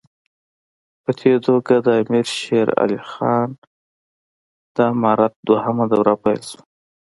په دې توګه د امیر شېر علي خان د امارت دوهمه دوره پیل شوه.